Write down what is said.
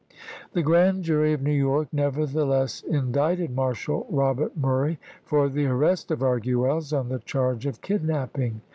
The grand jury of New York nevertheless in dicted Marshal Robert Murray for the arrest of Ar guelles on the charge of kidnaping.